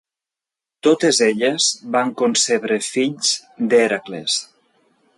Totes elles van concebre fills d'Hèracles.